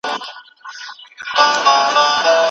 کمپيوټر فولډر شريکوي.